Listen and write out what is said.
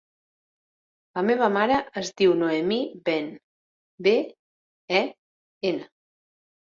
La meva mare es diu Noemí Ben: be, e, ena.